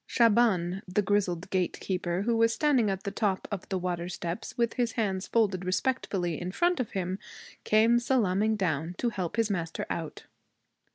Shaban, the grizzled gatekeeper, who was standing at the top of the water steps with his hands folded respectfully in front of him, came salaaming down to help his master out.